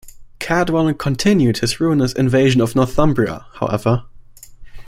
Cadwallon continued his ruinous invasion of Northumbria, however.